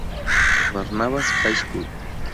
Barnabas High School".